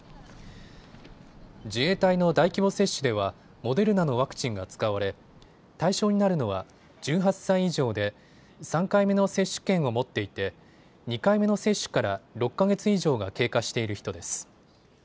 自衛隊の大規模接種ではモデルナのワクチンが使われ対象になるのは１８歳以上で３回目の接種券を持っていて２回目の接種から６か月以上が経過している人です。